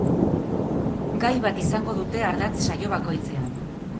Gai bat izango dute ardatz saio bakoitzean.